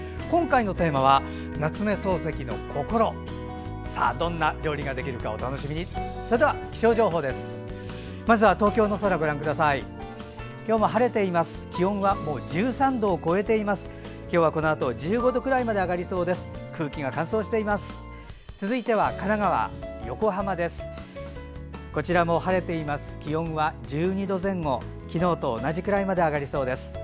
今日も晴れています。